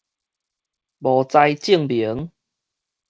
無知證明